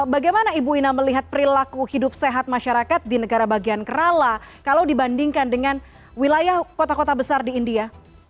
bagaimana ibu ina melihat perilaku hidup sehat masyarakat di negara bagian kerala kalau dibandingkan dengan wilayah kota kota besar di india